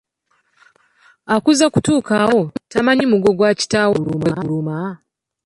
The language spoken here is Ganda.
Akuze kutuuka awo, tamanyi muggo gwa kitaawe bwe guluma.